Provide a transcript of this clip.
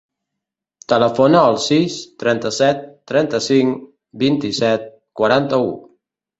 Telefona al sis, trenta-set, trenta-cinc, vint-i-set, quaranta-u.